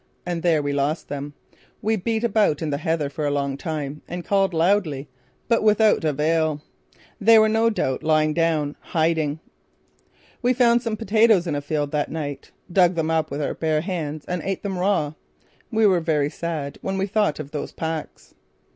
And there we lost them. We beat about in the heather for a long time, and called loudly, but without avail. They were no doubt lying down, hiding. We found some potatoes in a field that night, dug them up with our bare hands and ate them raw. We were very sad when we thought of those packs.